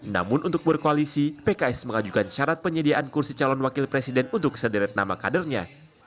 namun untuk berkoalisi pks mengajukan syarat penyediaan kursi calon wakil presiden untuk sederet nama kadernya